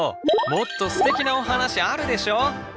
もっとすてきなお話あるでしょ！